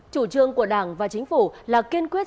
chủ trương của đảng và chính phủ là kiên quyết